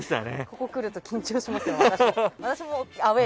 ここに来ると緊張しますよ。